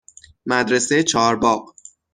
مدرسه چهارباغ